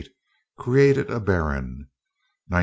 Created a baron. 1900.